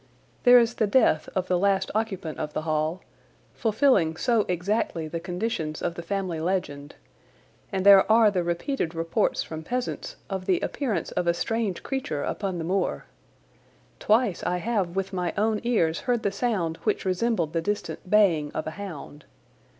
There is the death of the last occupant of the Hall, fulfilling so exactly the conditions of the family legend, and there are the repeated reports from peasants of the appearance of a strange creature upon the moor. Twice I have with my own ears heard the sound which resembled the distant baying of a hound.